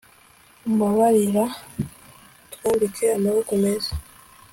umbabarira utwambike amaboko meza